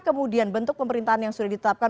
kemudian bentuk pemerintahan yang sudah ditetapkan